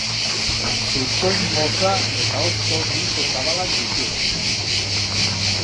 Zurtoin motza eta hosto luze zabalak ditu.